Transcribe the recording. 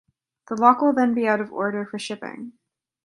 The lock will then be out of order for shipping.